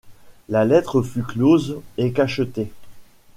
La lettre fut close et cachetée.